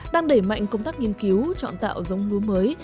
đang đẩy mạnh công tác nghiên cứu chọn tạo giống lúa mới